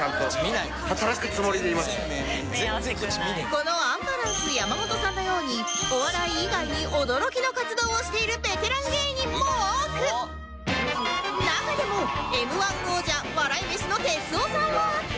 このアンバランス山本さんのようにお笑い以外に驚きの活動をしているベテラン芸人も多く中でも Ｍ−１ 王者笑い飯の哲夫さんは